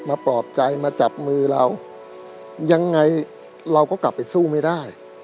ปลอบใจมาจับมือเรายังไงเราก็กลับไปสู้ไม่ได้